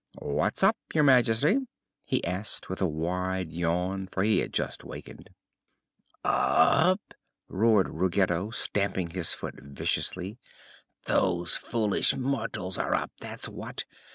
"What's up, Your Majesty?" he asked, with a wide yawn, for he had just wakened. "Up?" roared Ruggedo, stamping his foot viciously. "Those foolish mortals are up, that's what!